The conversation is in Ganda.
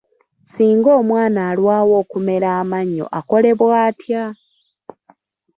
Singa omwana alwawo okumera amannyo akolebwa atya?